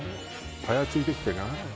パヤついてきてない？